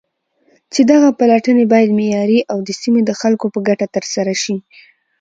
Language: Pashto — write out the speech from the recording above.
چې دغه پلټنې بايد معياري او د سيمې د خلكو په گټه ترسره شي.